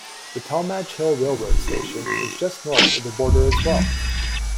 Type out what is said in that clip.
The Talmadge Hill railroad station is just north of the border as well.